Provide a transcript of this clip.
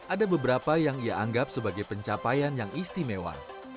ada beberapa yang ia anggap sebagai pencapaian yang istimewa